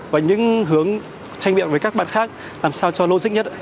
và những hướng tranh biện với các bạn khác làm sao cho logic nhất